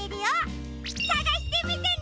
さがしてみてね！